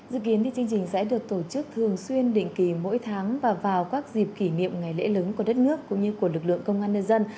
dự kiến chương trình sẽ được tổ chức thường xuyên định kỳ mỗi tháng và vào các dịp kỷ niệm ngày lễ lớn của đất nước cũng như của lực lượng công an nhân dân